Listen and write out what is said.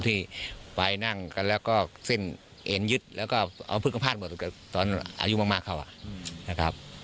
ที่ไปนั่งแล้วก็เซ่นเองยึดแล้วก็เอาพืชคำพลาดตอนอายุมากเข้านะครับ